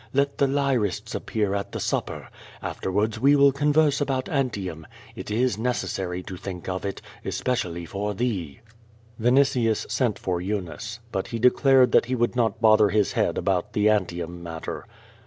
Let the lyrists appear at the sup per. Afterwards we will converse about Antium. It is neces sary to think of it, especially for thee." Vinitius sent for P^unice. But he declared that he would not bother his head about the Antium matter.